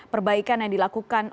perbaikan yang dilakukan